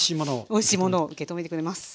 おいしいものを受け止めてくれます。